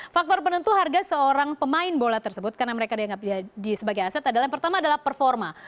faktor penentu harga seorang pemain bola tersebut karena mereka dianggap sebagai aset adalah yang pertama adalah performa